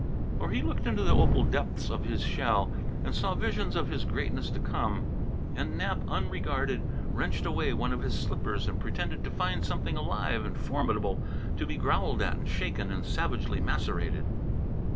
Or he looked into the opal depths of his shell, and saw visions of his greatness to come, while Nap, unregarded, wrenched away one of his slippers and pretended to find it something alive and formidable, to be growled at and shaken and savagely macerated.